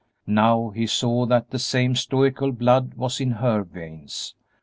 Now he saw that the same stoical blood was in her veins.